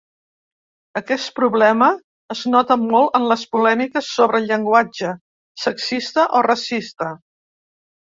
Aquest problema es nota molt en les polèmiques sobre el llenguatge sexista o racista.